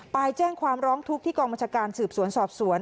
ไปแจ้งความร้องทุกข์ที่กองบัญชาการสืบสวนสอบสวน